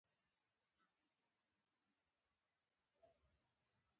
خو همدغې لږې مستمرۍ دا معنی درلوده.